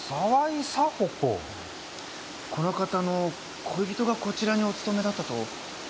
この方の恋人がこちらにお勤めだったと。